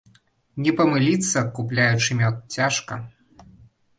Не памыліцца, купляючы мёд, цяжка.